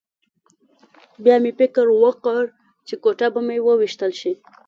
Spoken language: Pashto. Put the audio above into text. بیا مې فکر وکړ چې ګوته به مې وویشتل شي